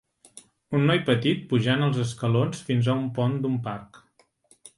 Un noi petit pujant els escalons fins a un pont d'un parc